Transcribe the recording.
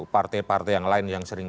partai partai yang lain yang sering